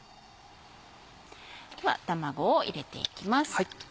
では卵を入れていきます。